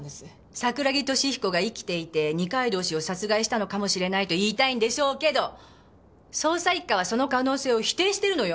桜木敏彦が生きていて二階堂氏を殺害したのかもしれないと言いたいんでしょうけど捜査一課はその可能性を否定してるのよ？